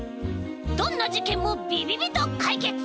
どんなじけんもびびびとかいけつ！